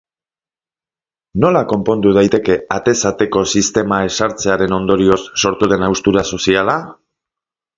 Nola konpondu daiteke atez ateko sistema ezartzearen ondorioz sortu den haustura soziala?